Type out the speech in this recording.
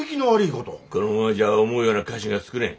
このままじゃ思うような菓子が作れん。